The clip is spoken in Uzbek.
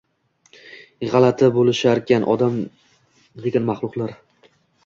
G‘alati bo‘lisharkan odam degan maxluqlar